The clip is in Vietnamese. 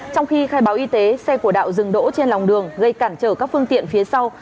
trong khi khai báo y tế xe của đạo dừng đỗ trên lòng đường gây cản trở các phương tiện phía sau